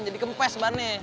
jadi kempes bannya